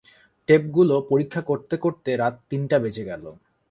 টেপগুলো পরীক্ষা করতে-করতে রাত তিনটা বেজে গেল।